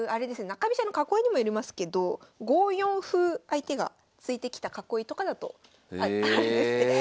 中飛車の囲いにもよりますけど５四歩相手が突いてきた囲いとかだとあるんですね。